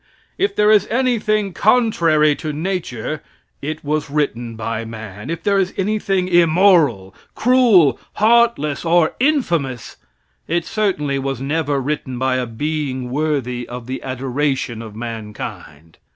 If there is anything contrary to nature, it was written by man. If there is anything immoral, cruel, heartless or infamous, it certainly was never written by a being worthy of the adoration of mankind.